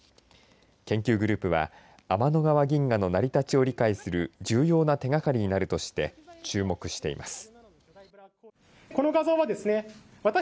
研究グループは天の川銀河の成り立ちを理解する重要な手がかりなるとして注目しています。